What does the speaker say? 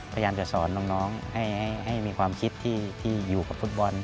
พยายามจะสอนน้องให้มีความคิดที่อยู่กับฟุตบอล